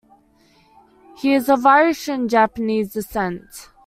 He is of Irish and Japanese descent.